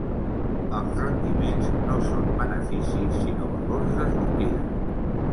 Els "rendiments" no són beneficis, sinó valors de sortida.